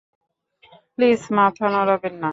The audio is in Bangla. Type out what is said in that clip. প্লিজ মাথা নড়াবেন না।